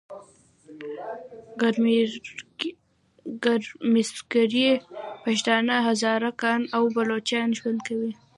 ګرمسیرکې پښتانه، هزاره ګان او بلوچان ژوند کوي.